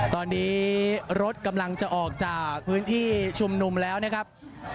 ตอนนี้รถกำลังจะออกจากพื้นที่ชุมนุมแล้วนะครับ